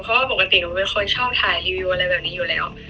เพราะว่าปกติหนูเป็นคนชอบถ่ายรีวิวอะไรแบบนี้อยู่แล้ว